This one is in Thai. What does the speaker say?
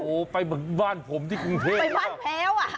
โอ้โหไปบ้านผมที่กรุงเทพไปบ้านแพ้วอ่ะ